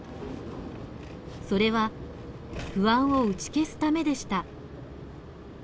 それは不安を打ち消すためでした。